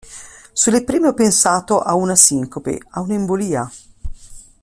Sulle prime ho pensato a una sincope, a un'embolia.